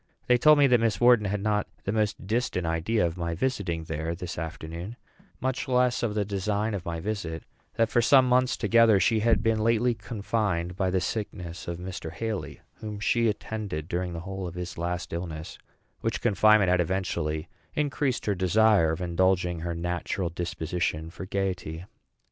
They told me that Miss Wharton had not the most distant idea of my visiting there this afternoon, much less of the design of my visit; that for some months together she had been lately confined by the sickness of Mr. Haly, whom she attended during the whole of his last illness; which confinement had eventually increased her desire of indulging her natural disposition for gayety.